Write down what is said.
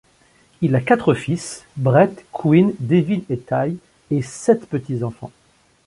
Il a quatre fils, Brett, Quinn, Devin et Tye, et sept petits-enfants.